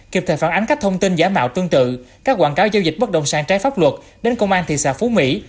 kịp thời phản ánh các thông tin giả mạo tương tự các quảng cáo giao dịch bất động sản trái pháp luật đến công an thị xã phú mỹ